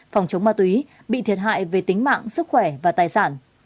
phòng chống ma túy bị thiệt hại về tính mạng sức khỏe và tài sản